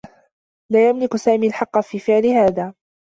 لا يملك سامي الحقّ في فعل هذا.